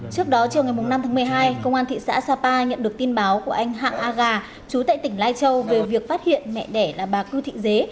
trước đó chiều ngày năm tháng một mươi hai công an thị xã sapa nhận được tin báo của anh hạng a gà chú tại tỉnh lai châu về việc phát hiện mẹ đẻ là bà cư thị dế